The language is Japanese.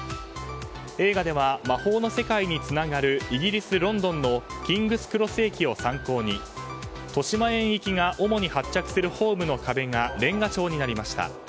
映画では、魔法の世界につながるイギリス・ロンドンのキングスクロス駅を参考に豊島園行きが主に発着するホームの壁がレンガ調になりました。